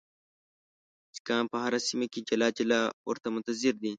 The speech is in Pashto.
سیکهان په هره سیمه کې جلا جلا ورته منتظر دي.